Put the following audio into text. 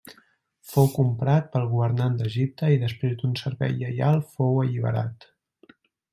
Fou comprat pel governant d'Egipte i després d'un servei lleial fou alliberat.